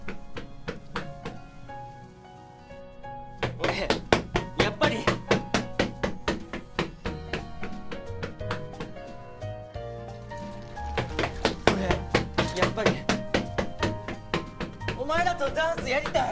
俺やっぱり俺やっぱりお前らとダンスやりたい！